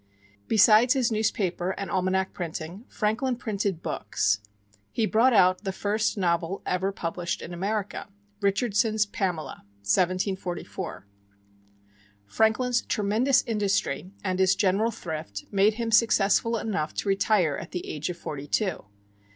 Besides his newspaper and almanac printing, Franklin printed books. He brought out the first novel ever published in America Richardson's "Pamela" (1744). Franklin's tremendous industry and his general thrift made him successful enough to retire at the age of forty two.